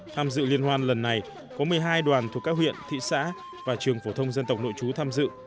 tham dự liên hoan lần này có một mươi hai đoàn thuộc các huyện thị xã và trường phổ thông dân tộc nội chú tham dự